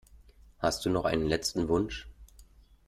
Hast du noch einen letzten Wunsch?